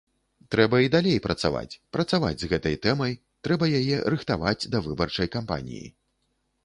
Трэба і далей працаваць, працаваць з гэтай тэмай, трэба яе рыхтаваць да выбарчай кампаніі.